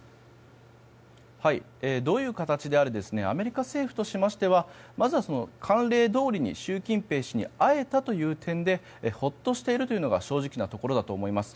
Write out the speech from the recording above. どういう形であれアメリカ政府としましてはまずは慣例どおりに習近平氏に会えたという点でほっとしているというのが正直なところだと思います。